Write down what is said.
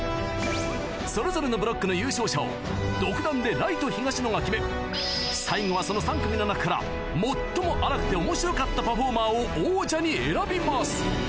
それぞれのブロックの優勝者を独断でライト東野が決め最後はその３組の中から最もあらくて面白かったパフォーマーを王者に選びます